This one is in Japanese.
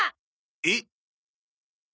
えっ？